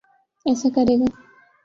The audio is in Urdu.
ایسا کرے گا۔